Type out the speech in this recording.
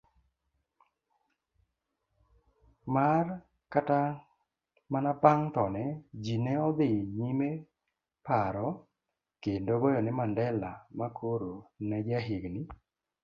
mar Kata manabang' thone, jine odhi nyimeparo kendo goyone Mandela, makoro nejahigini